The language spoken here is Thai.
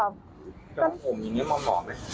เรื่องผมอย่างนี้เหมาะไหม